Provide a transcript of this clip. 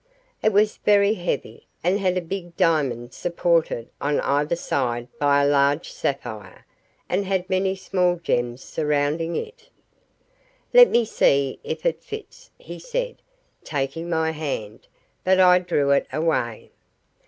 It was very heavy, and had a big diamond supported on either side by a large sapphire, and had many small gems surrounding it. "Let me see if it fits," he said, taking my hand; but I drew it away.